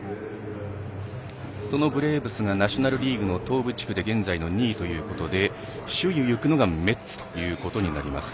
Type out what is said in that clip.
そのブレーブスがナショナルリーグで東部地区で現在の２位ということで首位をいくのがメッツとなります。